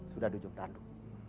sudah dujung tadu